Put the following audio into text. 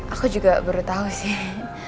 aku juga baru tahu sih